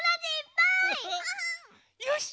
よし！